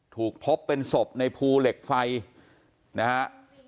ถูกพบเป็นศพในภูเหล็กไฟนะฮะ